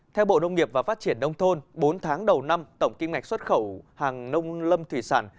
theo bộ nông nghiệp và phát triển nông thôn bốn tháng đầu năm tổng kim ngạch xuất khẩu hàng nông lâm thủy sản